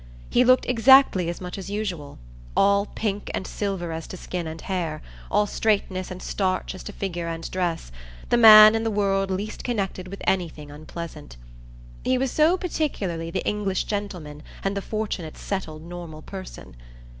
He looked exactly as much as usual all pink and silver as to skin and hair, all straightness and starch as to figure and dress; the man in the world least connected with anything unpleasant. He was so particularly the English gentleman and the fortunate settled normal person.